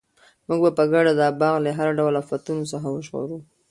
موږ به په ګډه دا باغ له هر ډول آفتونو څخه وژغورو.